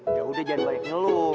yaudah jangan baiknya lu